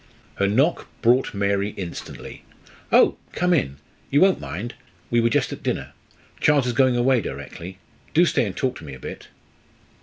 Her knock brought Mary instantly. "Oh! come in. You won't mind. We were just at dinner. Charles is going away directly. Do stay and talk to me a bit."